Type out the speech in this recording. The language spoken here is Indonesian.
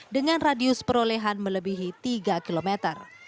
dengan radius perolehan melebihi tiga kilometer